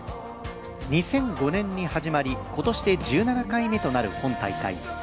２００５年に始まり今年で１７回目となる本大会